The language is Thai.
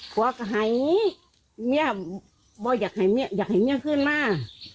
พวกให้เมียบอกอยากให้เมียขึ้นมา